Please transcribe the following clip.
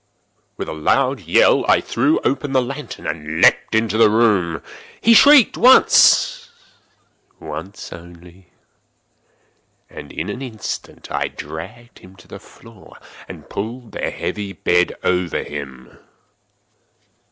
With a loud yell, I threw open the lantern and leaped into the room. He shrieked once—once only. In an instant I dragged him to the floor, and pulled the heavy bed over him.